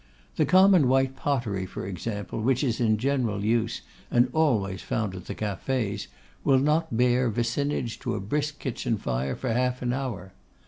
The common white pottery, for example, which is in general use, and always found at the cafés, will not bear vicinage to a brisk kitchen fire for half an hour.